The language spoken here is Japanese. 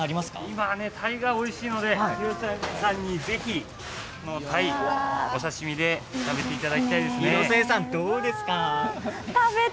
今は鯛がおいしいので広末さんにぜひこの鯛、お刺身で、食べていただきたいですね。